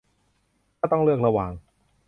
ถ้าต้องเลือกระหว่าง